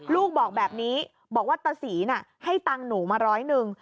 ลูกบอกแบบนี้บอกว่าตะศรีน่ะให้ตังค์หนูมาร้อยหนึ่ง